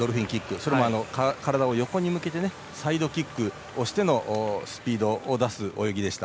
それも体を横に向けてサイドキックをしてのスピードを出す泳ぎでした。